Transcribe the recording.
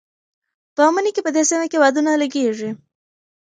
په مني کې په دې سیمه کې بادونه لګېږي.